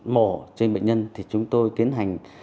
mổ trên bệnh nhân thì chúng tôi tiến hành